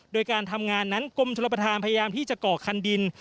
โดยการทำงานนั้นกรมชนประธานพยายามที่จะก่อคันดิน